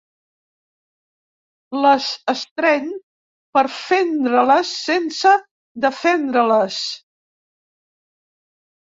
Les estreny per fendre-les sense defendre-les.